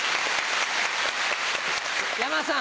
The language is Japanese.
山田さん